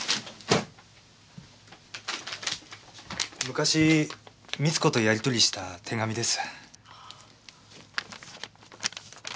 昔美津子とやり取りした手紙です。